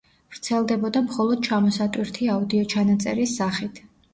ვრცელდებოდა მხოლოდ ჩამოსატვირთი აუდიოჩანაწერის სახით.